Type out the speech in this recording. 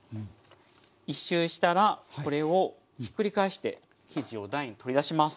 １周したらこれをひっくり返して生地を台に取り出します。